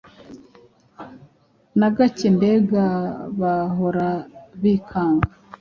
na gake mbega bahora bikanga